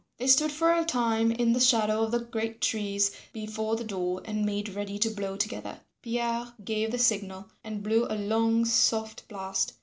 They stood for a time in the shadow of the great trees before the door and made ready to blow together. Pierre gave the signal and blew a long soft blast.